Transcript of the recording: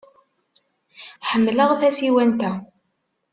Ḥemmleɣ tasiwant-a.